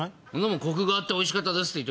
コクがあっておいしかったでいい。